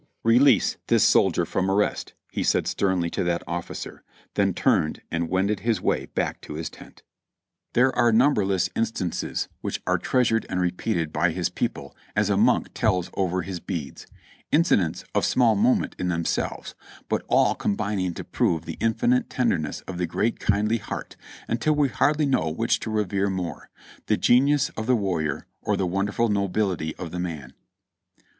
"Release this soldier from arrest," he said sternly to that of ficer; then turned and wended his way back to his tent. 366 JOHNNY REB AND BII.LY YANK There are numberless instances which are treasured and repeated by his people as a monk tells over his beads, incidents of small moment in themselves, but all combining to prove the in finite tenderness of the great, kindly heart, until we hardly know which to revere more, the genius of the warrior or the wonderful nobility of the man.